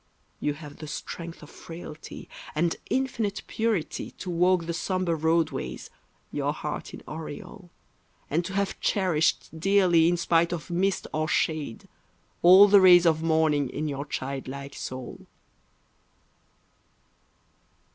You have the strength of frailty and infinite purity To walk the sombre roadways, your heart in aureole, And to have cherished dearly in spite of mist or shade, All the rays of morning in your childlike soul.